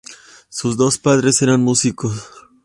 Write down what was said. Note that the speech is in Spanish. Sus dos padres eran músicos.